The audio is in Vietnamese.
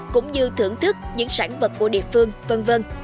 cũng như thưởng thức những sản vật của địa phương v v